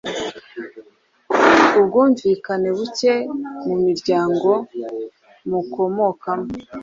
Ubwumvikane buke mu miryango mukomokamo